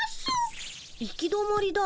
行き止まりだ。